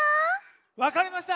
わかりました。